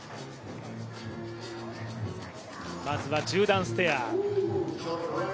まずは１０段ステア。